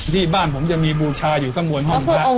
ที่บ้านผมจะมีบูชาอยู่ข้างบนห้องแล้ว